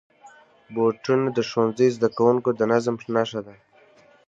بوټونه د ښوونځي زدهکوونکو د نظم نښه ده.